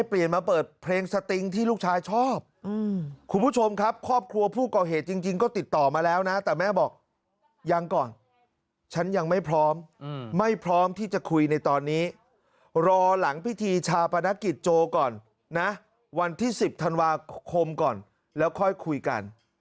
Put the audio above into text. เปลี่ยนมาเปิดเพลงสติงที่ลูกชายชอบคุณผู้ชมครับครอบครัวผู้ก่อเหตุจริงก็ติดต่อมาแล้วนะแต่แม่บอกยังก่อนฉันยังไม่พร้อมไม่พร้อมที่จะคุยในตอนนี้รอหลังพิธีชาปนกิจโจก่อนนะวันที่๑๐ธันวาคมก่อนแล้วค่อยคุยกัน